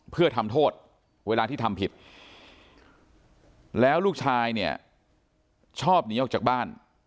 เพื่อทำโทษเวลาที่ทำผิดแล้วลูกชายเนี่ยชอบหนีออกจากบ้าน